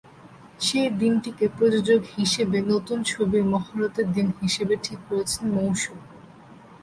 সেই দিনটিকে প্রযোজক হিসেবে নতুন ছবির মহরতের দিন হিসেবে ঠিক করেছেন মৌসুমী।